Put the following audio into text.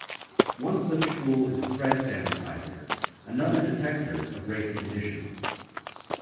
One such tool is ThreadSanitizer, another detector of race conditions.